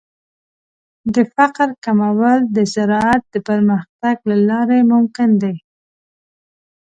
د فقر کمول د زراعت د پرمختګ له لارې ممکن دي.